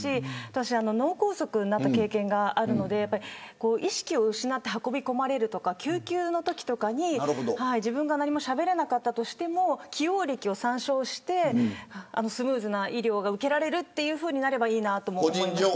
私は脳梗塞になった経験があるので意識を失って運び込まれるとか救急のときに自分が何もしゃべれなかったとしても既往歴を参照してスムーズな医療が受けられるといいなと思います。